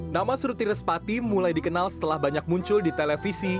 nama suruti respati mulai dikenal setelah banyak muncul di televisi